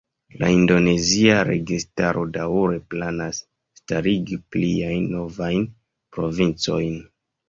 La indonezia registaro daŭre planas starigi pliajn novajn provincojn.